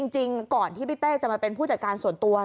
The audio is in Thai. จริงก่อนที่พี่เต้จะมาเป็นผู้จัดการส่วนตัว